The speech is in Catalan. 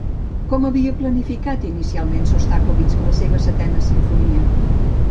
Com havia planificat inicialment Xostakóvitx la seva Setena Simfonia?